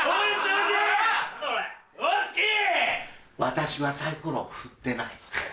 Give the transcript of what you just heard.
私はサイコロを振ってない。